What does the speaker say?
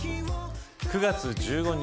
９月１５日